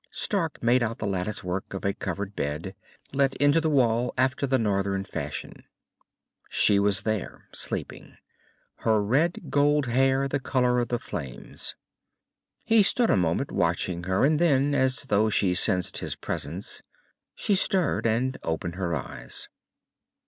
Stark made out the lattice work of a covered bed, let into the wall after the northern fashion. She was there, sleeping, her red gold hair the colour of the flames. He stood a moment, watching her, and then, as though she sensed his presence, she stirred and opened her eyes.